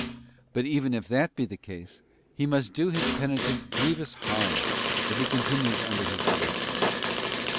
But even if that be the case, he must do his peni tent grievous harm if he continues under his direction.